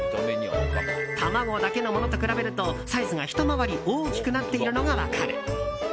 卵だけのものと比べるとサイズが、ひと回り大きくなっているのが分かる。